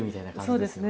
そうですね。